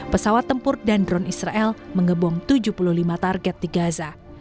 pesawat tempur dan drone israel mengebom tujuh puluh lima target di gaza